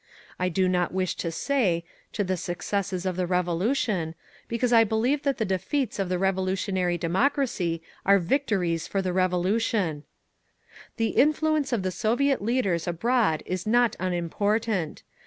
I do not wish to say, 'to the successes of the Revolution,' because I believe that the defeats of the revolutionary democracy are victories for the Revolution…. "The influence of the Soviet leaders abroad is not unimportant.